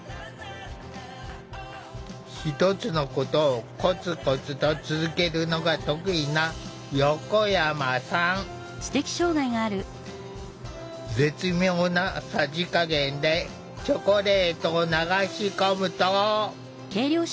１つのことをコツコツと続けるのが得意な絶妙なさじ加減でチョコレートを流し込むと。